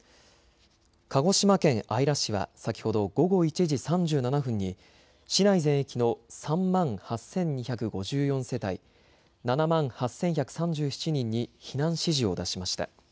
鹿児島県姶良市は先ほど午後１時３７分に市内全域の３万８２５４世帯、７万８１３７人に避難指示を出しました。